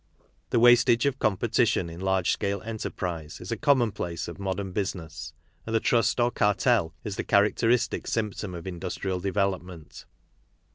The wastage of competition in large scale enterprise is a commonplace of modern business, and the trust or cartel is the characteristic symptom of industrial de velopment.